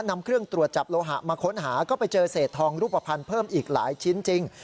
นำเครื่องตรวจจับโลหะมาค้นหาก็ไปเจอเศษทองรูปภัณฑ์เพิ่มอีกหลายชิ้นจริง